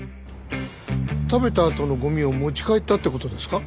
食べたあとのゴミを持ち帰ったって事ですか？